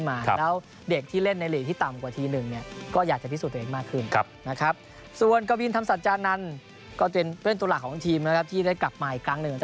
และเด็กที่เล่นในหลีกที่ต่ำกว่าทีนึงก็อยากจะพิสูจน์ตัวเองมากขึ้น